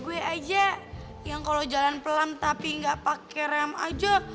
gue aja yang kalau jalan pelam tapi nggak pakai rem aja